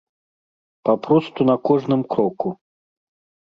Папросту на кожным кроку.